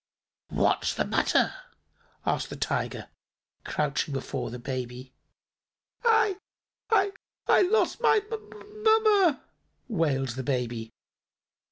"What's the matter?" asked the Tiger, crouching before the baby. "I I I lost my m m mamma!" wailed the baby.